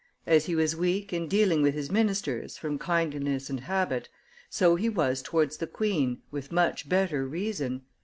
As he was weak in dealing with his ministers, from kindliness and habit, so he was towards the queen with much better reason.